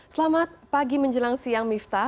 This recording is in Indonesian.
selamat pagi menjelang siang mifta